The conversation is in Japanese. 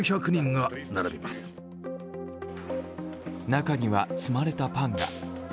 中には積まれたパンが。